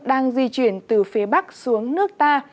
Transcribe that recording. đang di chuyển từ phía bắc xuống nước ta